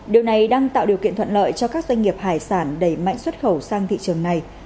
điều này đang tạo điều kiện thuận lợi cho các doanh nghiệp hải sản đẩy mạnh xuất khẩu sang thị trường này